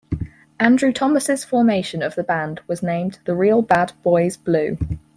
Andrew Thomas' formation of the band was named "The Real Bad Boys Blue".